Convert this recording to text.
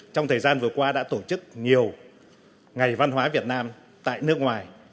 trong thời gian vừa qua đã tổ chức nhiều ngày văn hóa việt nam tại nước ngoài